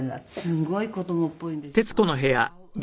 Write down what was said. すごい子供っぽいんですよ。